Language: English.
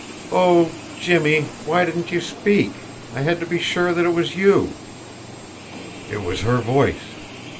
"Oh, Jimmie why didn't you speak? I had to be sure that it was you." It was her voice!